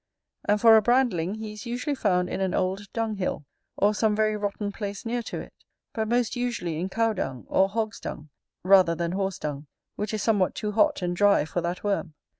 And for a brandling, he is usually found in an old dunghill, or some very rotten place near to it, but most usually in cow dung, or hog's dung, rather than horse dung, which is somewhat too hot and dry for that worm.